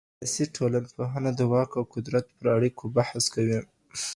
سیاسي ټولنپوهنه د واک او قدرت پر اړیکو بحث کوي.